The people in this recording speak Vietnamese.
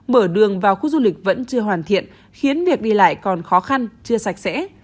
mở đường vào khu du lịch vẫn chưa hoàn thiện khiến việc đi lại còn khó khăn chưa sạch sẽ